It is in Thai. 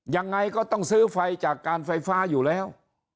ยังไงก็ต้องซื้อไฟจากการไฟฟ้าอยู่แล้ว